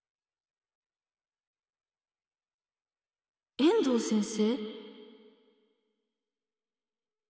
遠藤先生？